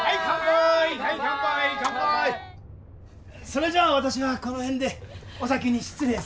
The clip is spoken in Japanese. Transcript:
それじゃあ私はこの辺でお先に失礼するよ。